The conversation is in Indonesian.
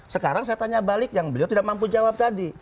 sekarang saya tanya balik yang beliau tidak mampu jawab tadi